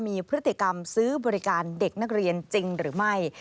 มีพฤติกรรมซื้อบริการเด็กนักเรียนจริงหรือไม่